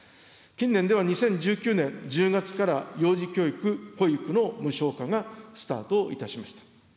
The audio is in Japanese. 近年では２０１９年１０月から、幼児教育・保育の無償化がスタートいたしました。